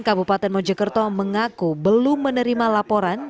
kabupaten mojokerto mengaku belum menerima laporan